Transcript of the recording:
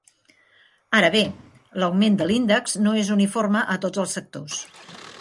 Ara bé, l’augment de l’índex no és uniforme a tots els sectors.